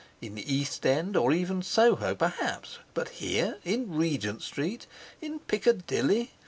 In the East End, or even Soho, perhaps—but here in Regent Street, in Piccadilly!